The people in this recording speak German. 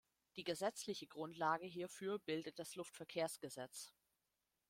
Die gesetzliche Grundlage hierfür bildet das Luftverkehrsgesetz.